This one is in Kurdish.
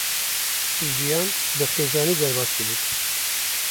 Jiyan bi xêzanî derbas dibû.